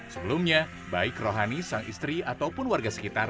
sebelumnya baik rohani sang istri ataupun warga sekitar